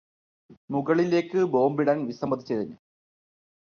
മുകളിലേക്ക് ബോംബിടാന് വിസമ്മതിച്ചതിന്